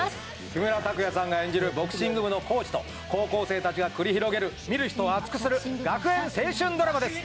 木村拓哉さんが演じるボクシング部のコーチと高校生たちが繰り広げる見る人を熱くする学園青春ドラマです。